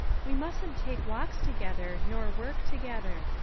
We mustn't take walks to gether, nor work together.